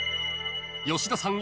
［吉田さん